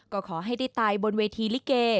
ก็ขอให้ได้ตายบนเวทีลิเก